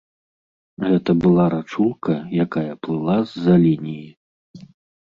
Гэта была рачулка, якая плыла з-за лініі.